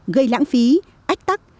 gây lãng phí ách tắc